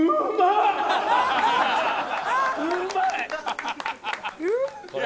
うまい！